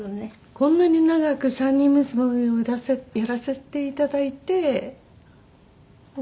こんなに長く３人娘をやらせていただいてもう。